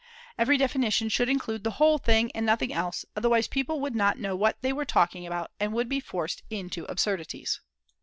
Every definition should include the whole thing, and nothing else; otherwise, people would not know what they were talking about, and would be forced into absurdities.